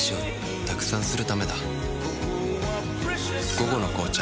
「午後の紅茶」